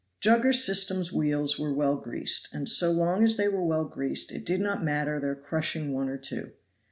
Jugger system's wheels were well greased, and so long as they were well greased it did not matter their crushing one or two.